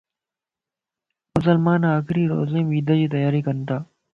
مسلمان آخري روزيمَ عيدَ جي تياري ڪنتا